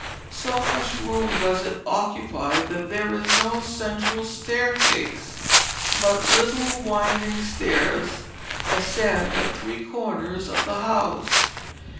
So much room does it occupy that there is no central staircase, but little winding stairs ascend at three corners of the house.